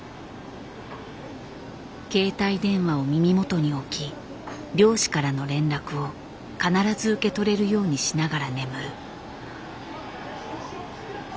携帯電話を耳元に置き漁師からの連絡を必ず受け取れるようにしながら眠る。